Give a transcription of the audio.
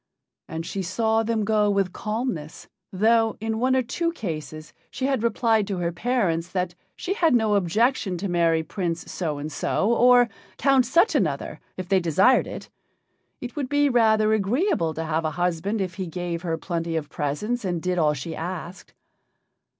And she saw them go with calmness, though, in one or two cases she had replied to her parents that she had no objection to marry Prince So and so, or Count Such another, if they desired it it would be rather agreeable to have a husband if he gave her plenty of presents and did all she asked.